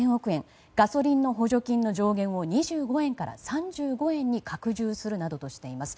ガソリンの補助金の上限を２５円から３５円に拡充するなどとしています。